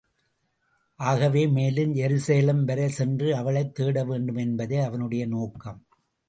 ஆகவே மேலும், ஜெருசலம் வரை சென்று அவளைத் தேட வேண்டுமென்பதே அவனுடைய நோக்கம்.